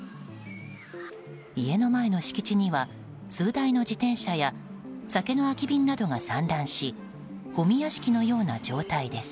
家の前の敷地には数台の自転車や酒の空き瓶などが散乱しごみ屋敷のような状態です。